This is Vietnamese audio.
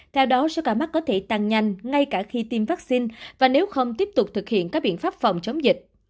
theo đó số ca mắc có thể tăng nhanh ngay cả khi tiêm vaccine và nếu không tiếp tục thực hiện các biện pháp phòng chống dịch